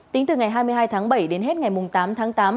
tính từ ngày hai mươi hai tháng bảy đến hết ngày tám tháng tám